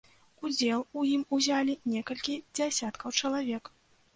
Удзел у ім узялі некалькі дзясяткаў чалавек.